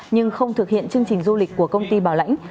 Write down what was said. nhưng không thực hiện chương trình du lịch của công ty bảo lãnh